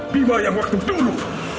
bimba yang waktu dulu